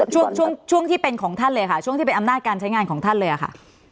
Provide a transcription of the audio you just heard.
ช่วงช่วงที่เป็นของท่านเลยค่ะช่วงที่เป็นอำนาจการใช้งานของท่านเลยค่ะ